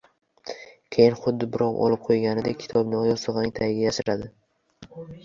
Keyin xuddi birov olib qo‘yadigandek, kitobni yostig‘ining tagiga yashirardi.